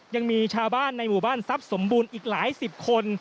ยังมีชาวบ้านในหมู่บ้านทรัพย์สมบูรณ์อีกหลายสิบคน